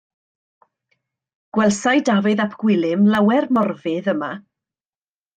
Gwelsai Dafydd ap Gwilym lawer Morfudd yma.